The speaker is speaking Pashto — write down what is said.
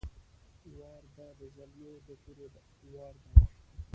وار ده د زلمو د تورو وار ده!